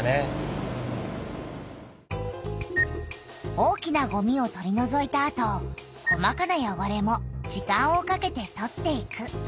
大きなごみを取りのぞいたあと細かなよごれも時間をかけて取っていく。